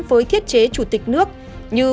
với thiết chế chủ tịch nước như